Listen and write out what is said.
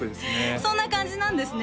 そんな感じなんですね